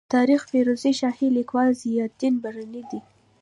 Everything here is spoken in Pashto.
د تاریخ فیروز شاهي لیکوال ضیا الدین برني دی.